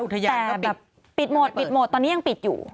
แต่แบบปิดหมดปิดหมดตอนนี้ยังปิดอยู่